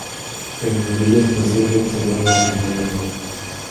En su orilla es posible observar a la cigüeña negra.